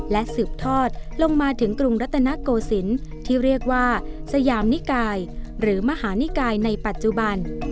และสืบทอดลงมาถึงกรุงรัตนโกสินที่เรียกว่า